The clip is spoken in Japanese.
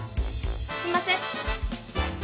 すんません。